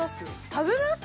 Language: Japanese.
食べます？